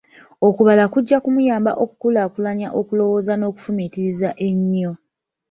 Okubala kujja kumuyamba okukulaakulanya okulowooza n'okufumiitiriza ennyo.